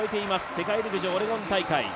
世界陸上オレゴン大会。